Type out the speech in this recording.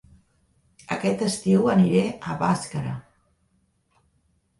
Aquest estiu aniré a Bàscara